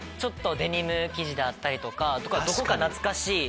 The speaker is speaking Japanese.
デニム生地であったりとかどこか懐かしい。